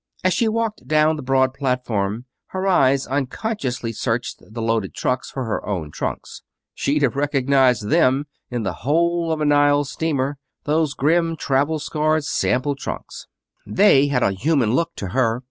As she walked down the broad platform her eyes unconsciously searched the loaded trucks for her own trunks. She'd have recognized them in the hold of a Nile steamer those grim, travel scarred sample trunks. They had a human look to her.